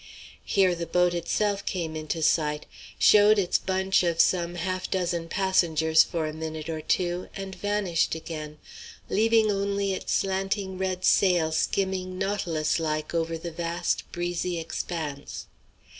Here the boat itself came into sight, showed its bunch of some half dozen passengers for a minute or two, and vanished again, leaving only its slanting red sail skimming nautilus like over the vast breezy expanse.